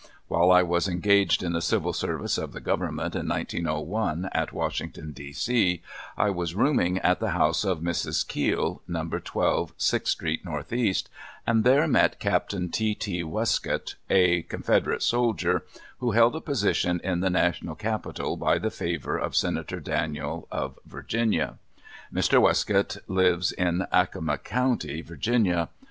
While I was engaged in the Civil Service of the Government, in 1901, at Washington, D. C., I was rooming at the house of Mrs. Kiel, No. 12 Sixth St., N. E, and there met Capt. T. T. Westcott, a Confederate soldier, who held a position in the National Capital by the favor of Senator Daniel, of Virginia. Mr. Westcott lives in Accomac County, Va.